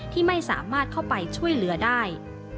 ที่ไม่สามารถเข้าไปช่วยเหลือได้